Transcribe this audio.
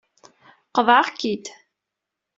Qeḍɛeɣ-k-id.